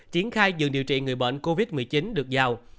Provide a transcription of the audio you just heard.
triển khai dừng điều trị người bệnh covid một mươi chín được giao